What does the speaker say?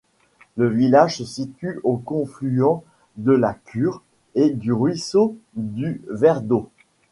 Le village se situe au confluent de la Cure et du ruisseau du Verdot.